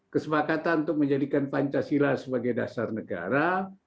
kesepakatan untuk menjadikan pancasila sebagai dasar negara